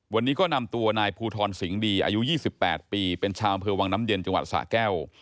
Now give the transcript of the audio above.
วันนี้ก็นำตัวนายภูทรสิงห์ดีอายุ๒๘ปีเป็นชาวอำเภอวังน้ำเย็นจังหวัดสะแก้ว